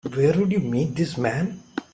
Where'd you meet this man?